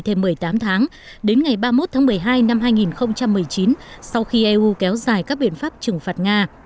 thêm một mươi tám tháng đến ngày ba mươi một tháng một mươi hai năm hai nghìn một mươi chín sau khi eu kéo dài các biện pháp trừng phạt nga